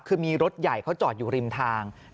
คือมีรถใหญ่เขาจอดอยู่ริมทาง